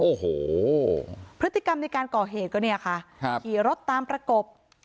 โอ้โหพฤติกรรมในการก่อเหตุก็เนี่ยค่ะครับขี่รถตามประกบ